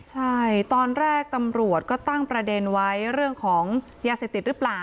ใช่ตอนแรกตำรวจก็ตั้งประเด็นไว้เรื่องของยาเสพติดหรือเปล่า